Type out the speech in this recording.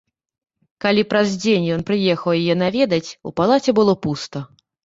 Калі праз дзень ён прыехаў яе наведаць, у палаце было пуста.